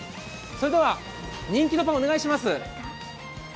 それでは人気のパン、お願いします！